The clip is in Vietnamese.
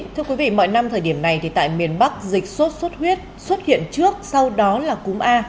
thưa quý vị mọi năm thời điểm này thì tại miền bắc dịch sốt xuất huyết xuất hiện trước sau đó là cúm a